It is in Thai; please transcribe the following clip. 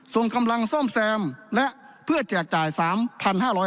ส่งกำลังซ่อมแซมและเพื่อแจกจ่ายสามพันห้าร้อย